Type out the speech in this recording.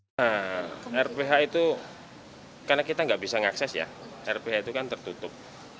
nah rph itu karena kita nggak bisa mengakses ya rph itu kan tertutup